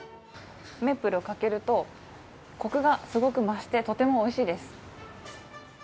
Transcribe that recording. メープルをかけると、コクがすごく増してとてもおいしいです。